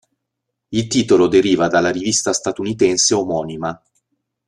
Il titolo deriva dalla rivista statunitense omonima.